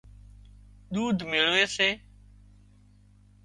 ۮُوڌ ميۯوي سي